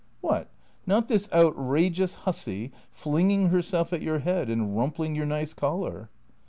" What, not this outrageous hussy, flinging herself at your head, and rumpling your nice collar?"